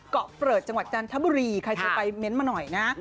เกาะเปิดจังหวัดจันทบุรีใครจะไปเม้นต์มาหน่อยนะ